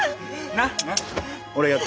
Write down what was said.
なっ？